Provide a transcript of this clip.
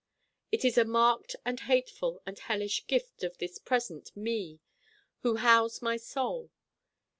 It is a marked and hateful and hellish gift of this present Me who house my Soul.